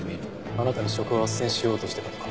あなたに職を斡旋しようとしてたとか。